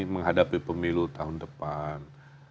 menghadapi pemilu tahun depan